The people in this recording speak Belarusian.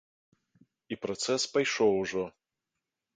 І працэс пайшоў ўжо.